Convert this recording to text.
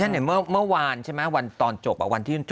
อย่างเมื่อวานใช่ไหมวันตอนจบวันที่๑๗